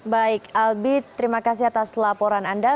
baik albi terima kasih atas laporan anda